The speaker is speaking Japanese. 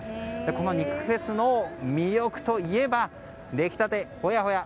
この肉フェスの魅力といえばできたてほやほや